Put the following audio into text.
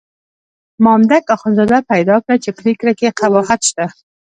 مامدک اخندزاده پیدا کړه چې پرېکړه کې قباحت شته.